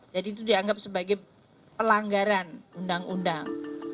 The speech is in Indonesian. jadi itu dianggap sebagai pelanggaran undang undang